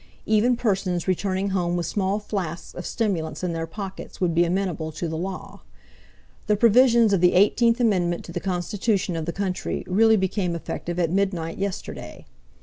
Even persons returning home with small flasks of stimulants in their pockets would be amenable to the law. The provisions of the 18th amendment to the Constitution of the country really became effective at midnight yesterday.